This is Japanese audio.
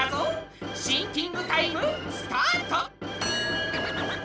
シンキングタイムスタート！